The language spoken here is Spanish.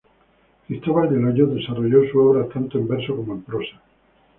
Cristóbal del Hoyo desarrolló su obra tanto en verso como en prosa.